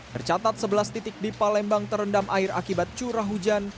tercatat sebelas titik di palembang terendam air akibat curah hujan